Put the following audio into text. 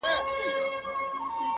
تا ولي په مسکا کي قهر وخندوئ اور ته.